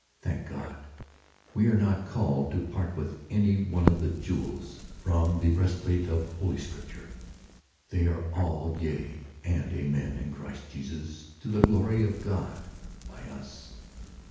Thank God, we are not called to part with any one of the jewels from the breastplate of Holy Scripture: they are all yea and amen in Christ Jesus to the glory of God by us